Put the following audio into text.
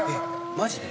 マジで？